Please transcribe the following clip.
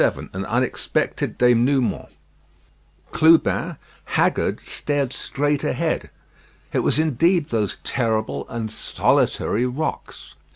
VII AN UNEXPECTED DENOUEMENT Clubin, haggard, stared straight ahead. It was indeed those terrible and solitary rocks.